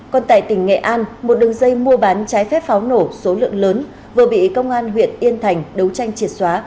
còn tại tỉnh nghệ an một đường dây mua bán trái phép pháo nổ số lượng lớn vừa bị công an huyện yên thành đấu tranh triệt xóa